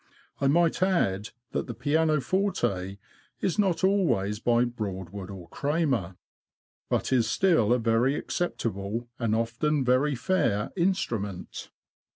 I might add, that the pianoforte is not always by Broadwood or Cramer, but is still a very acceptable, and often very fair, instru ment.